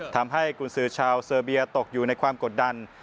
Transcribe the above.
กุญสือชาวเซอร์เบียตกอยู่ในความกดดัน